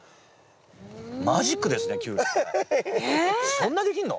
そんなできんの？